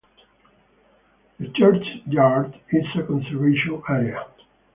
The churchyard is a conservation area.